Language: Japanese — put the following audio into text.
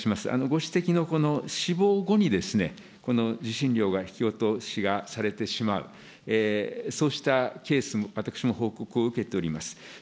ご指摘の、この死亡後に、受信料が引き落としがされてしまう、そうしたケース、私も報告を受けております。